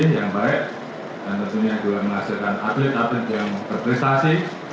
dan tentunya juga menghasilkan atlet atlet yang berprestasi